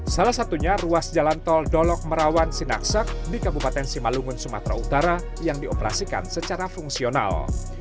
salah satunya ruas jalan tol dolok merawan sinaksak di kabupaten simalungun sumatera utara yang dioperasikan secara fungsional